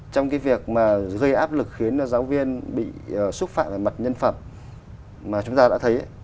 trong cái việc mà gây áp lực khiến giáo viên bị xúc phạm về mặt nhân phẩm mà chúng ta đã thấy